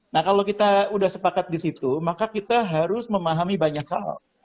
nah kalau kita sudah sepakat di situ maka kita harus memahami banyak hal